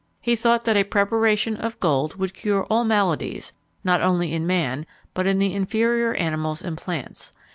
He thought that a preparation of gold would cure all maladies, not only in man, but in the inferior animals and plants.